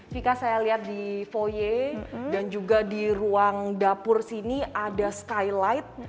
vika saya lihat di voye dan juga di ruang dapur sini ada skylight